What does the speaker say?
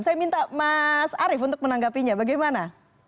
saya minta mas arief untuk menanggapinya bagaimana